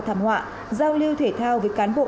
thảm họa giao lưu thể thao với cán bộ